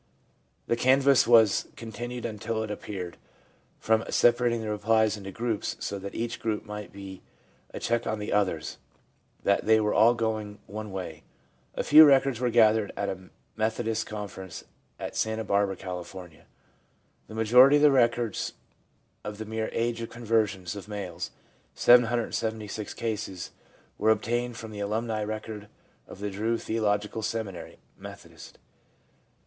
The canvass was continued until it appeared, from separating the replies into groups, so that each group might be a check on the others, that they were all going one way. A few records were gathered at a Methodist conference at Santa Barbara, Cal. The majority of the records of the mere age of conversions of males, 776 cases, were obtained from the Alumni record of the Drew Theo logical Seminary (Methodist).